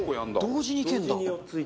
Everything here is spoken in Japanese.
同時にいけるんだ！